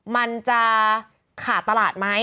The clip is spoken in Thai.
มันจะขาดตลาดไหม